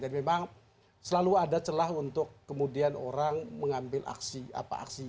jadi memang selalu ada celah untuk kemudian orang mengambil aksi apa aksi